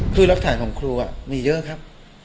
คือรักฐานของครูมีเยอะครับ